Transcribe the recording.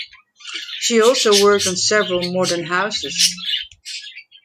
She also worked on several modern houses.